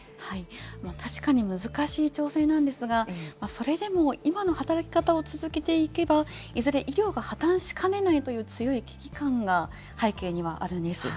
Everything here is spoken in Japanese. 確かに難しい挑戦なんですが、それでも今の働き方を続けていけば、いずれ、医療が破綻しかねないという強い危機感が背景にはあるんです。